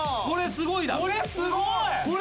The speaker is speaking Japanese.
すごい。